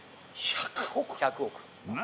１００億。